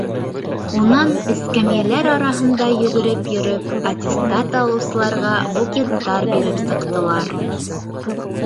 Унан, эскәмйәләр араһында йүгереп йөрөп, аттестат алыусыларға букеттар биреп сыҡтылар.